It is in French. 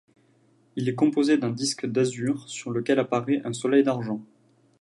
Il est composé d'un disque d'azur, sur lequel apparait un soleil d'argent.